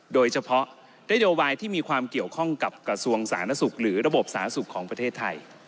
โดยเฉพาะนโยบายที่มีความเกี่ยวข้องกับกระทรวงสาธารณสุขหรือระบบสาธารณสุขของประเทศไทย